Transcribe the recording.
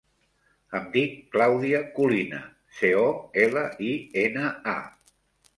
Em dic Clàudia Colina: ce, o, ela, i, ena, a.